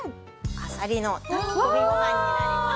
あさりの炊き込みご飯になります。